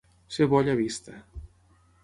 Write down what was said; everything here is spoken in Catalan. Ser bolla vista.